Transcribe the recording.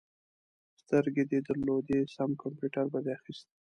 سترګې دې درلودې؛ سم کمپيوټر به دې اخيست.